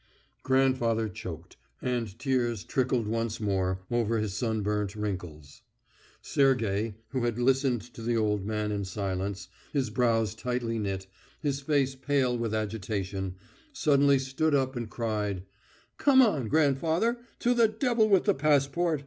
Grandfather choked, and tears trickled once more over his sunburnt wrinkles. Sergey, who had listened to the old man in silence, his brows tightly knit, his face pale with agitation, suddenly stood up and cried: "Come on, grandfather. To the devil with the passport!